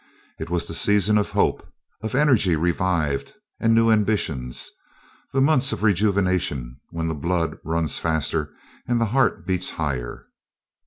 It was the season of hope, of energy revived and new ambitions the months of rejuvenation, when the blood runs faster and the heart beats higher.